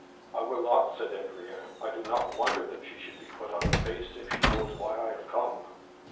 'I will not,' said Adrian. 'I do not wonder that she should be put out of face if she knows why I have come.'